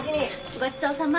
ごちそうさま。